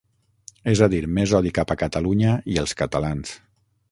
És a dir, més odi cap a Catalunya i els catalans.